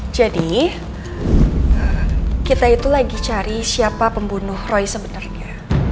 jadi kita itu lagi cari siapa pembunuh roy sebenernya